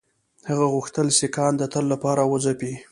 هغه غوښتل سیکهان د تل لپاره وځپي.